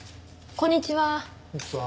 こんにちは。